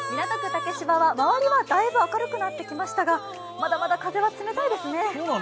竹芝は、周りはだいぶ明るくなってきましたがまだまだ風は冷たいですね。